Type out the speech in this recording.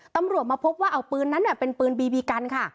ตำรวจมาพบว่าเอาปืนนั้นเป็นปืนบีบีกันค่ะ